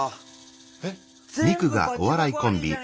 えっ⁉